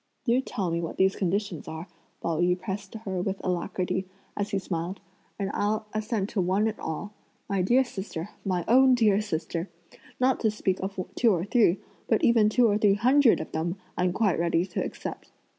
"Do tell me what these conditions are," Pao yü pressed her with alacrity, as he smiled, "and I'll assent to one and all. My dear sister, my own dear sister, not to speak of two or three, but even two or three hundred of them I'm quite ready to accept.